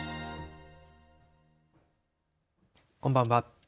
こんばんは。